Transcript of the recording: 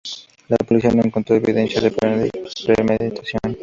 La policía no encontró evidencia de premeditación.